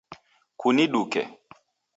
Kuniduke